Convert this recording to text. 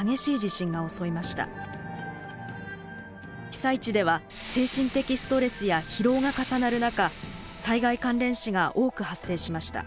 被災地では精神的ストレスや疲労が重なる中災害関連死が多く発生しました。